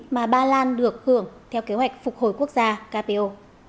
mà ba lan được hưởng theo kế hoạch phục hồi quốc gia kpo